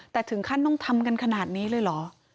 แต่ถึงขั้นต้องทำกันขนาดนี้เลยเหรอ